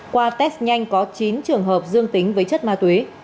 qua test nhanh có chín trường hợp dương tính với chất ma túy